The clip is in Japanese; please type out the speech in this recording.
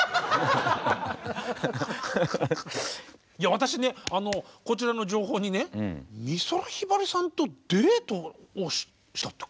私ねこちらの情報にね美空ひばりさんとデートをしたって。